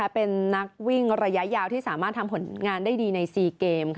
เป็นนักวิ่งระยะยาวที่สามารถทำผลงานได้ดีใน๔เกม